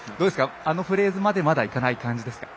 あのフレーズまでまだ行かない感じですか？